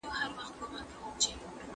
د جګړو اغېز پر صنايعو څه و؟